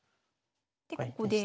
でここで。